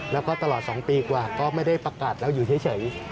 แล้วก็ตลอด๒ปีกว่าก็ไม่ได้ประกาศเราอยู่เฉย